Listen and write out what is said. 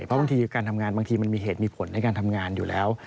เพราะบางทีการทำงานบางทีมันมีเหตุมีผลในการทำงานอยู่แล้ว